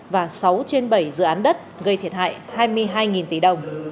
và sáu trên bảy dự án đất gây thiệt hại hai mươi hai tỷ đồng